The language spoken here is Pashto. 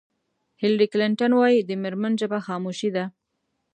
هېلري کلنټن وایي د مېرمنو ژبه خاموشي ده.